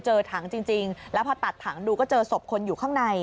เจอถังจริงแล้วพอตัดถังดูก็เจอศพคนอยู่ข้างใน